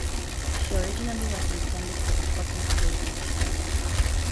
She originally was intended for the cotton trade with China.